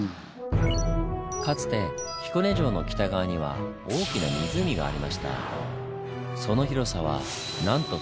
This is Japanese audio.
かつて彦根城の北側には大きな湖がありました。